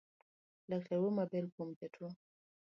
Laktar wuoyo maber kuom jatuo